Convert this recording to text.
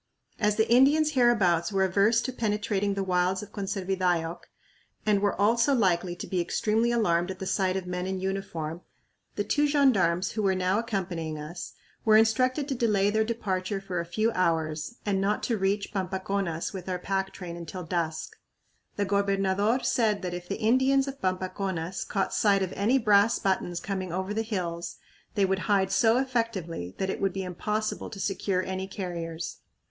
As the Indians hereabouts were averse to penetrating the wilds of Conservidayoc and were also likely to be extremely alarmed at the sight of men in uniform, the two gendarmes who were now accompanying us were instructed to delay their departure for a few hours and not to reach Pampaconas with our pack train until dusk. The gobernador said that if the Indians of Pampaconas caught sight of any brass buttons coming over the hills they would hide so effectively that it would be impossible to secure any carriers.